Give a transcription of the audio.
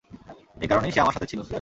একারণেই সে আমার সাথে ছিল।